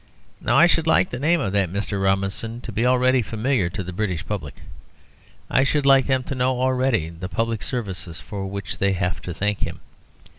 Now I should like the name of that Mr. Robinson to be already familiar to the British public. I should like them to know already the public services for which they have to thank him.